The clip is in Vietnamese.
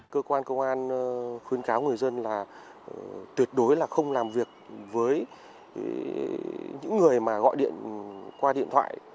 cơ quan công an khuyến cáo người dân là tuyệt đối là không làm việc với những người mà gọi điện qua điện thoại